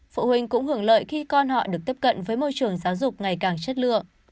phụ huynh cũng hưởng lợi khi con họ được tiếp cận với môi trường giáo dục ngày càng chất lượng